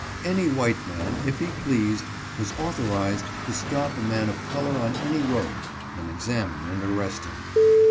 Any white man, if he pleased, was authorized to stop a man of color on any road, and examine and arrest him.